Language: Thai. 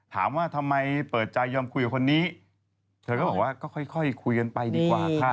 ถามว่าทำไมเปิดใจยอมคุยกับคนนี้เธอก็บอกว่าก็ค่อยคุยกันไปดีกว่าค่ะ